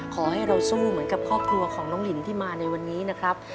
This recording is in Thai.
ขอให้เราสู้เหมือนกับครอบครัวของน้องลินที่มาในวันนี้นะครับ